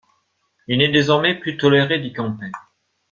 Il n'est désormais plus toléré d'y camper.